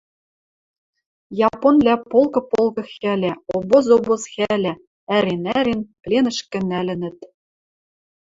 Японвлӓ полкы полкы хӓлӓ, обоз обоз халӓ, ӓрен-ӓрен, пленӹшкӹ нӓлӹнӹт.